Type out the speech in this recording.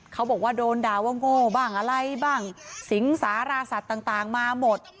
เขาบอกว่าโดนด่าว่าโง่บ้างอะไรบ้างสิงสาราสัตว์ต่างมาหมด